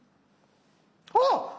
あっ！